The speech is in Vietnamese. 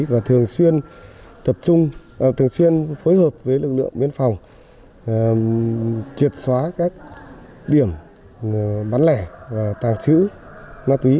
và thường xuyên phối hợp với lực lượng biên phòng triệt xóa các điểm bắn lẻ và tàng trữ